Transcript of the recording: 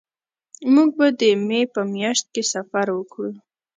مونږ به د مې په میاشت کې سفر وکړو